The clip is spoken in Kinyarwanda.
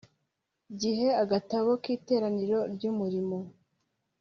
gihe agatabo k iteraniro ry umurimo